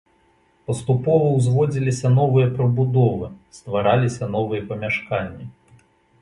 Паступова ўзводзіліся новыя прыбудовы, ствараліся новыя памяшканні.